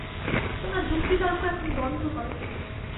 তোমার যুক্তিতর্ক এখন বন্ধ করো।